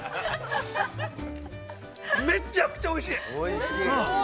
めっちゃくちゃおいしい！